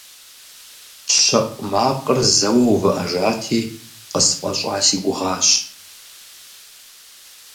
ЩэӀу макъыр зэуэ увыӀэжати, къысфӀэщӀа си гугъащ.